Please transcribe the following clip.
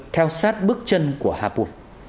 theo sát bước chân của hà phu